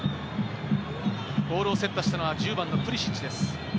ボールをセットしたのは１０番のプリシッチです。